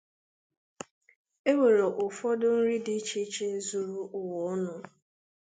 e nwere ụfọdụ nri dị iche iche zuru ụwa ọnụ